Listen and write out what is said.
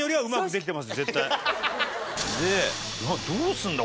でどうするんだ？